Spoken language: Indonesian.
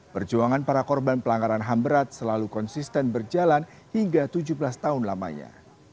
perjuangan para korban pelanggaran ham berat selalu konsisten berjalan hingga tujuh belas tahun lamanya